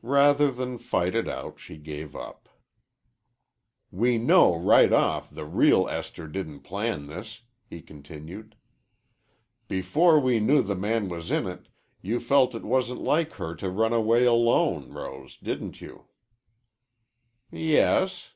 Rather than fight it out, she gave up. "We know right off the reel Esther didn't plan this," he continued. "Before we knew the man was in it you felt it wasn't like her to run away alone, Rose. Didn't you?" "Yes."